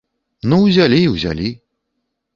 Ну ўзялі і ўзялі.